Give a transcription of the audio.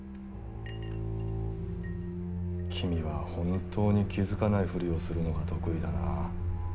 君は本当に気付かないふりをするのが得意だな。